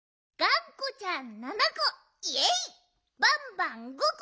バンバン５こ。